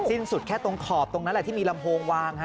สิ้นสุดแค่ตรงขอบตรงนั้นแหละที่มีลำโพงวาง